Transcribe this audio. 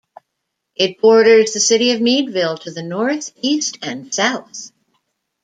It borders the city of Meadville to the north, east, and south.